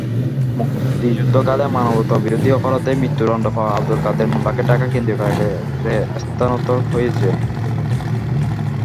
মুক্তিযুদ্ধকালে মানবতাবিরোধী অপরাধে মৃত্যুদণ্ড পাওয়া আবদুল কাদের মোল্লাকে ঢাকা কেন্দ্রীয় কারাগারে স্থানান্তর হয়েছে।